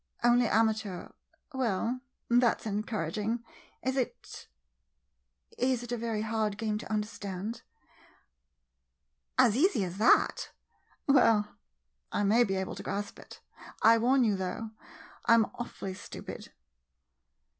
Only amateur — well — that 's en couraging. Is it — is it a very hard game to understand? As easy as that? Well — I may be able to grasp it. I warn you, though — I 'm awfully stupid.